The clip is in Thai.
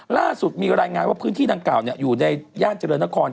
ล่าสุดมีรายงานว่าพื้นที่ดังกล่าวอยู่ในย่านเจริญนคร